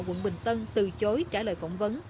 quận bình tân từ chối trả lời phỏng vấn